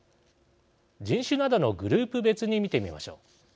人種などのグループ別に見てみましょう。